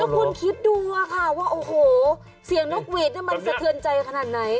แล้วคุณคิดดูค่ะว่าโอ้โหเสียงนกเวทมันสะเทือนใจขนาดนี้